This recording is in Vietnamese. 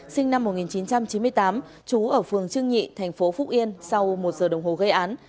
sinh năm một nghìn chín trăm chín mươi tám trú ở phường trưng nhị tp phúc yên sau một giờ đồng hồ gây án